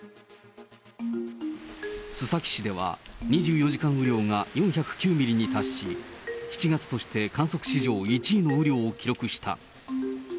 須崎市では２４時間雨量が４０９ミリに達し、７月として観測史上１位の雨量を記録した。